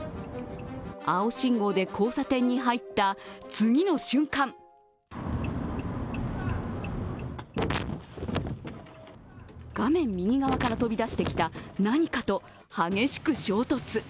青信号で交差点に入った次の瞬間画面右側から飛び出してきた何かと激しく衝突。